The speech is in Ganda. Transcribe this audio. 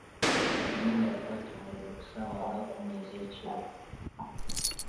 Enyumba yakwata omuliro ku ssaawa nga kkumi ez’ekiro.